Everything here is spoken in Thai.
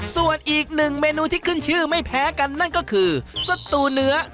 ส่วนอีกหนึ่งเมนูที่ขึ้นชื่อไม่แพ้กันนั่นก็คือสตูเนื้อ